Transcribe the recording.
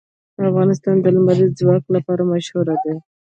افغانستان د لمریز ځواک لپاره مشهور دی.